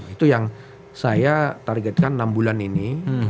itu yang saya targetkan enam bulan ini